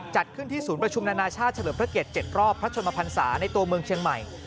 จัดขึ้นที่ศูนย์ประชุมนานาชาติเฉลิมพระเกียรติ๗รอบพระชนมพันศาในตัวเมืองเชียงใหม่